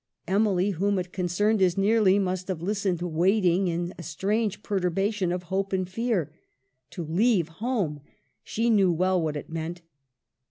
Emily, whom it con cerned as nearly, must have listened waiting in a strange perturbation of hope and fear. To leave home — she knew well what it meant.